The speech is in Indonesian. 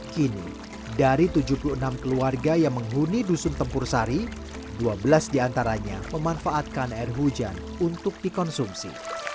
kini dari tujuh puluh enam keluarga yang menghuni dusun tempur sari dua belas diantaranya memanfaatkan air hujan untuk dikonsumsi